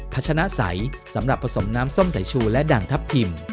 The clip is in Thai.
ชนะใสสำหรับผสมน้ำส้มสายชูและด่างทัพทิม